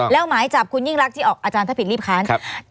แล้วหมายจับคุณยิ่งรักที่ออกอาจารย์ถ้าผิดรีบค้าน